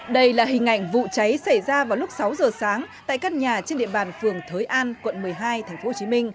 đây là hình ảnh vụ cháy xảy ra vào lúc sáu giờ sáng tại các nhà trên địa bàn phường thới an quận một mươi hai tp hcm